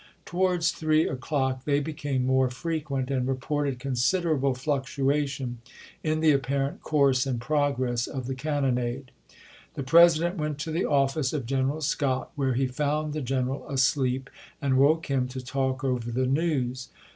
Towards three o'clock they became more frequent, and reported considerable fluctuation in the apparent course and progress of the cannonade. The President went to the office of General Scott, where he found the general asleep, and woke him to talk over the news.